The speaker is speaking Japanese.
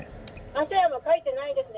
汗はかいてないですね。